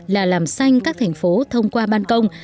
là làm xanh các thành phố thông qua ban công